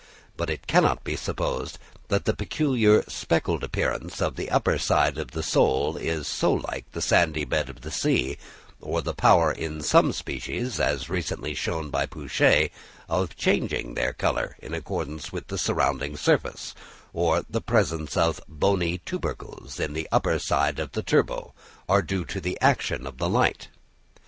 But it cannot be supposed that the peculiar speckled appearance of the upper side of the sole, so like the sandy bed of the sea, or the power in some species, as recently shown by Pouchet, of changing their colour in accordance with the surrounding surface, or the presence of bony tubercles on the upper side of the turbot, are due to the action of the light.